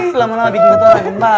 selama lama bikin ketawa tembak